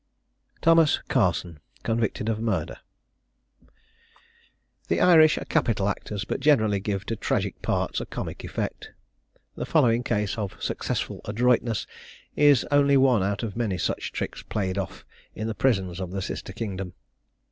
THOMAS CARSON. CONVICTED OF MURDER. The Irish are capital actors, but generally give to tragic parts a comic effect. The following case of successful adroitness is only one out of many such tricks played off in the prisons of the sister kingdom.